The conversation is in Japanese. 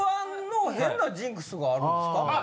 『Ｍ−１』の変なジンクスがあるんですか？